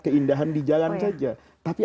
keindahan di jalan saja tapi